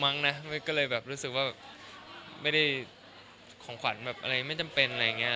มั้งนะก็เลยรู้สึกว่าไม่ได้ของขวัญอะไรไม่จำเป็นอะไรอย่างนี้